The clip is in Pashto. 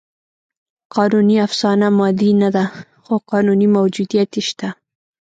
قانوني افسانه مادي نهده؛ خو قانوني موجودیت یې شته.